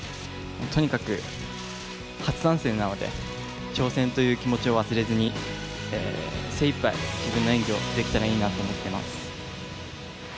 とにかく初参戦なので挑戦という気持ちを忘れずに精いっぱい自分の演技をできたらいいなと思ってます。